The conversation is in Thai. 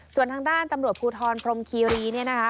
ส่วนทางด้านตำรวจภูทรพรมคีรีเนี่ยนะคะ